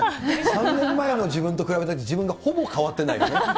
３年前の自分と比べて、自分がほぼ変わってない。